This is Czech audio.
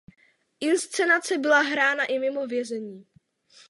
Inscenace byla hrána i mimo vězení.